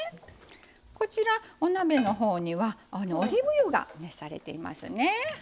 こちらお鍋のほうにはオリーブ油が熱されていますね。